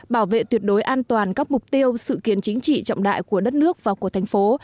bảo vệ tuyệt đối an toàn các mục tiêu sự kiện chính trị trọng đại của đất nước và của thành phố